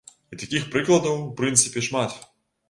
І такіх прыкладаў, у прынцыпе, шмат.